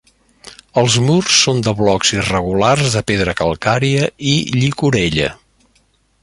Els murs són de blocs irregulars de pedra calcària i llicorella.